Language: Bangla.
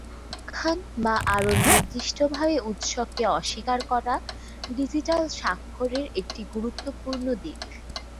অ-প্রত্যাখ্যান বা আরও নির্দিষ্টভাবে উৎসকে অস্বীকার করা, ডিজিটাল স্বাক্ষরের একটি গুরুত্বপূর্ণ দিক।